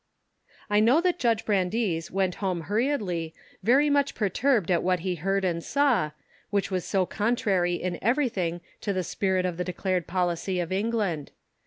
I know that Judge Brandies went home hurriedly, very much perturbed at what he heard and saw, which was so contrary in everything to the spirit of the declared policy of England.